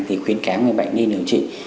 thì khuyến cáo người bệnh đi điều trị